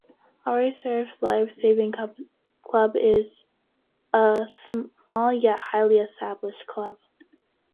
The Ayr Surf Life Saving club is a small yet highly established club.